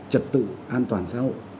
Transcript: trật tự an toàn xã hội